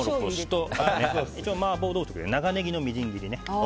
麻婆豆腐なので長ネギのみじん切りね。